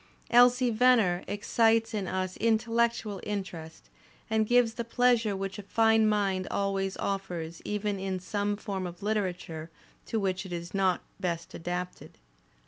"Elsie Venner" excites in us intellectual interest and gives the pleasure which a fine mind always offers even in some form of literature to which it is not best adapted.